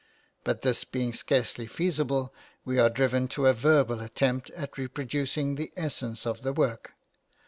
But this being scarcely feasible, we are driven to a verbal attempt at reproducing the essence of the work.